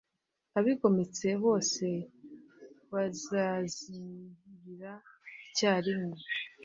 Abigometse bose bazazimirira icyarimwe